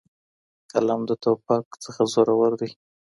قلم د توپک نه زورور دی.